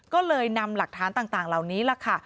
ก็เลยนำหลักฐานต่างเหล่านี้ล่ะค่ะ